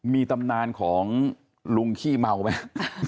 มีตำนานของลุงขี้เมาไหม